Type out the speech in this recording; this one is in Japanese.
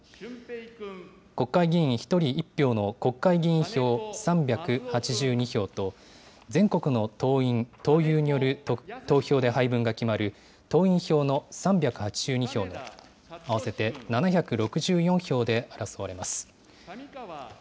国会議員１人１票の国会議員票３８２票と、全国の党員・党友による投票で配分が決まる、党員票の３８２票の、合わせて７６４票で争われます。